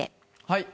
はい。